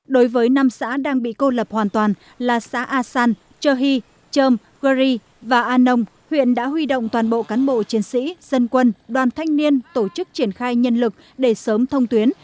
đối với năm xã đang bị cô lập hoàn toàn là xã a san chơ hy chơm gory và a nông huyện đã huy động toàn bộ cán bộ chiến sĩ dân quân đoàn thanh niên tổ chức triển khai nhân lực để sớm thông tuyến